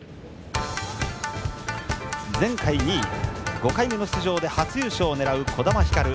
前回２位５回目の出場で初優勝を狙う児玉ひかる。